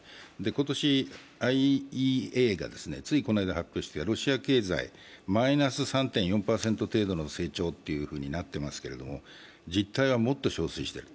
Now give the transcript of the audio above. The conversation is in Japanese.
今年、ＩＡＥＡがついこの間発表したロシア経済マイナス３．４％程度の成長となってますけど、実態はもっとしょうすいしている。